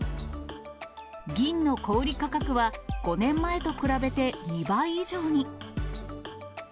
銀の小売り価格は、５年前と比べて２倍以上に。